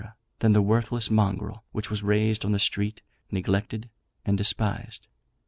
than the worthless mongrel which was raised on the street, neglected and despised.